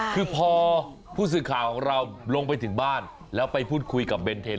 คือพอผู้สื่อข่าวของเราลงไปถึงบ้านแล้วไปพูดคุยกับเบนเทน